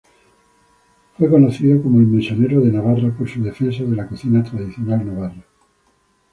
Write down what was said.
Fue conocido como "mesonero de Navarra" por su defensa de la cocina tradicional navarra.